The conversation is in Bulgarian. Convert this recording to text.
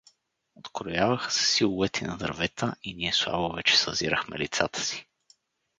Открояваха се силуети на дървета и ние слабо вече съзирахме лицата си.